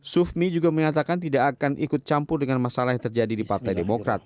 sufmi juga menyatakan tidak akan ikut campur dengan masalah yang terjadi di partai demokrat